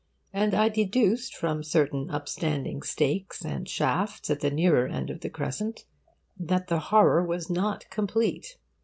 And I deduced, from certain upstanding stakes and shafts at the nearer end of the crescent, that the horror was not complete yet.